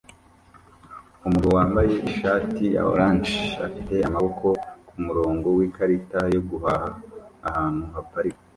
Umugabo wambaye ishati ya orange afite amaboko kumurongo wikarita yo guhaha ahantu haparika